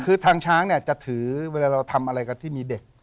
คือทางช้างเนี่ยจะถือเวลาเราทำอะไรกับที่มีเด็ก